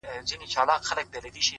د زړه رڼا مخ روښانوي.!